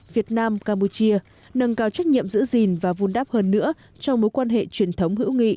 việt nam campuchia nâng cao trách nhiệm giữ gìn và vun đắp hơn nữa trong mối quan hệ truyền thống hữu nghị